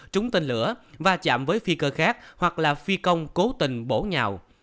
trúng tên lửa va chạm với phi cơ khác hoặc là phi công cố tình bổ nhào